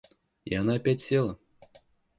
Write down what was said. И она опять села.